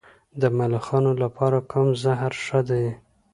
د ملخانو لپاره کوم زهر ښه دي؟